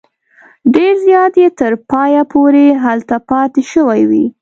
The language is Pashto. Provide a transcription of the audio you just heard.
ډېر زیات یې تر پایه پورې هلته پاته شوي وي.